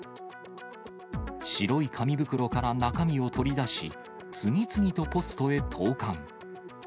白い紙袋から中身を取り出し、次々とポストへ投かん。